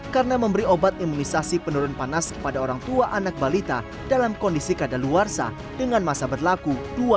karena memberi obat imunisasi penurun panas kepada orang tua anak balita dalam kondisi keadaan luarsa dengan masa berlaku dua ribu dua puluh